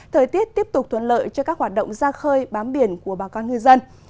thời tiết tiếp tục thuận lợi cho các hoạt động ra khơi bám biển của bà con ngư dân